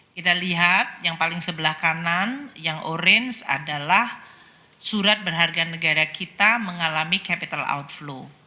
kita lihat yang paling sebelah kanan yang orange adalah surat berharga negara kita mengalami capital outflow